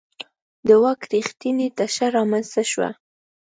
د واک رښتینې تشه رامنځته شوه.